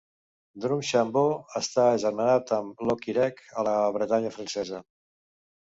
Drumshanbo està agermanat amb Locquirec, a la Bretanya francesa.